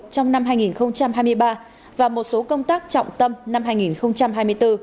trong năm hai nghìn hai mươi ba và một số công tác trọng tâm năm hai nghìn hai mươi bốn